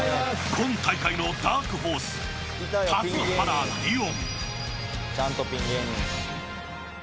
今大会のダークホース田津原理音。